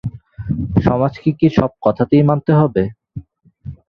সমাজকে কি সব কথায় মানতেই হবে?